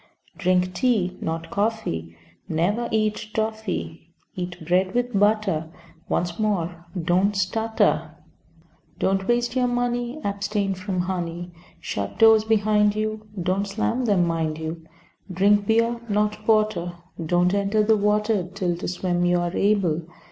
Drink tea, not coffee; Never eat toffy. Eat bread with butter. Once more, don't stutter. Don't waste your money, Abstain from honey. Shut doors behind you, (Don't slam them, mind you.) Drink beer, not porter. Don't enter the water Till to swim you are able.